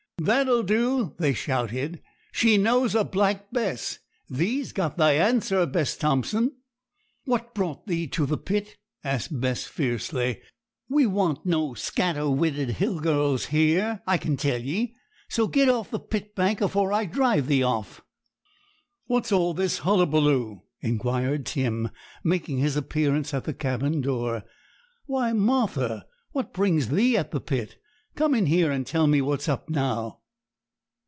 'That'll do!' they shouted; 'she knows a black bess! Thee's got thy answer, Bess Thompson.' 'What's brought thee to the pit?' asked Bess fiercely; 'we want no scatter witted hill girls here, I can tell ye. So get off the pit bank, afore I drive thee off.' 'What's all this hullabaloo?' inquired Tim, making his appearance at the cabin door. 'Why, Martha, what brings thee at the pit? Come in here, and tell me what's up now.'